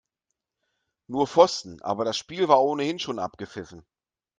Nur Pfosten, aber das Spiel war ohnehin schon abgepfiffen.